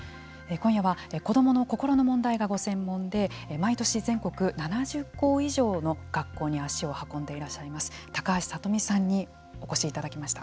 今夜は子どもの心の問題がご専門で毎年全国７０校以上の学校に足を運んでいらっしゃいます高橋聡美さんにお越しいただきました。